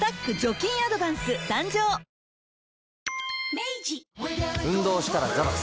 明治運動したらザバス。